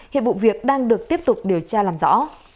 hiệp vụ việc đang được tiếp tục điều tra làm rõ